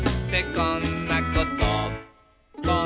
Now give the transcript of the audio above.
「こんなこと」